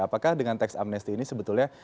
apakah dengan tax amnesti ini sebetulnya